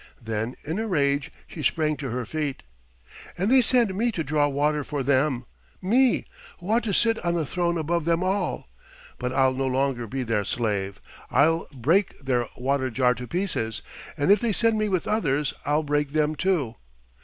Then in a rage she sprang to her feet. "And they send me to draw water for them! Me, who ought to sit on a throne above them all. But I'll no longer be their slave. I'll break their water jar to pieces, and if they send me with others I'll break them too!"